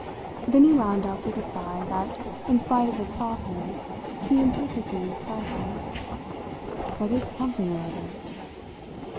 Then he wound up with a sigh that, in spite of its softness, he imperfectly stifled. "But it's something or other!"